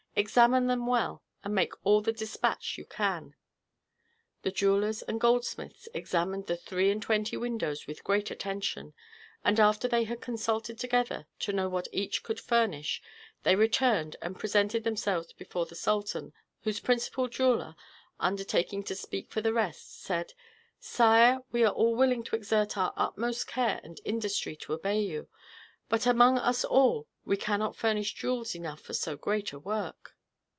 Examine them well, and make all the despatch you can." The jewellers and goldsmiths examined the three and twenty windows with great attention, and after they had consulted together, to know what each could furnish, they returned, and presented themselves before the sultan, whose principal jeweller, undertaking to speak for the rest, said: "Sire, we are all willing to exert our utmost care and industry to obey you; but among us all we cannot furnish jewels enough for so great a work."